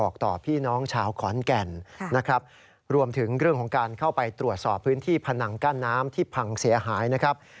การเข้าไปตรวจสอบพื้นที่พนังกั้นน้ำที่พังเสียหายนะครับ